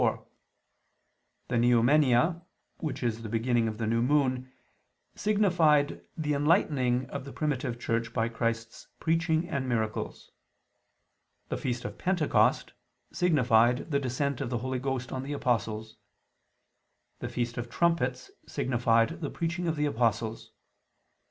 The Neomenia, which is the beginning of the new moon, signified the enlightening of the primitive Church by Christ's preaching and miracles. The feast of Pentecost signified the Descent of the Holy Ghost on the apostles. The feast of Trumpets signified the preaching of the apostles.